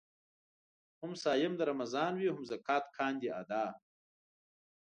هم صايم د رمضان وي هم زکات کاندي ادا